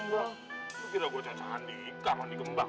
kok kira gua cacah handi iya mandi kembang